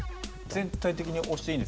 全体的に押していいんですか？